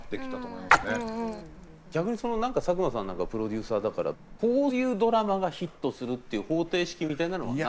逆に佐久間さんなんかプロデューサーだからこういうドラマがヒットするっていう方程式みたいなのはないんですか？